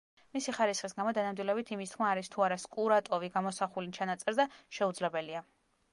მისი ხარისხის გამო, დანამდვილებით იმის თქმა, არის თუ არა სკურატოვი გამოსახული ჩანაწერზე, შეუძლებელია.